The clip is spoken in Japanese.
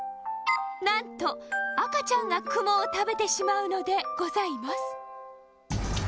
なんとあかちゃんがクモをたべてしまうのでございます。